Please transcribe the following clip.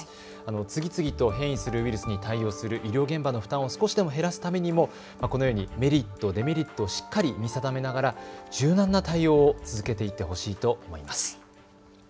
次々と変異するウイルスに対応する医療現場の負担を少しでも減らすためにも、このようにメリット、デメリットをしっかり見定めながら柔軟な対応を続けていってほしいと思います。